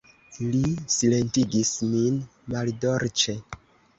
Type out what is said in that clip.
Li silentigis min maldolĉe.